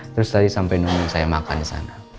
terus tadi sampai nunggu saya makan disana